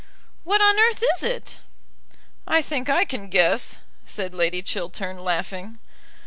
"What on earth is it?" "I think I can guess," said Lady Chiltern, laughing.